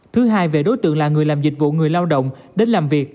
thứ hai về đối tượng là người làm dịch vụ người lao động đến làm việc